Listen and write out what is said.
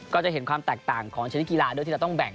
ก็จะเห็นความแตกต่างของชนิดกีฬาด้วยที่เราต้องแบ่ง